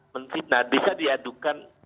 menfitnah bisa diadukan